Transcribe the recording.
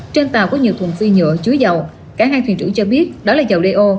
trên tàu có nhiều thùng phi nhựa chúi dầu cả hai thuyền trưởng cho biết đó là dầu đeo